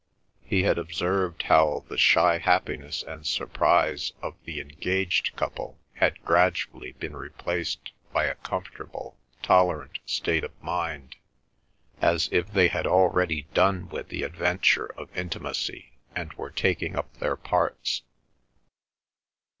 He had observed how the shy happiness and surprise of the engaged couple had gradually been replaced by a comfortable, tolerant state of mind, as if they had already done with the adventure of intimacy and were taking up their parts.